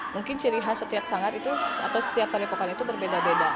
mungkin ciri khas setiap sanggar itu atau setiap padepokan itu berbeda beda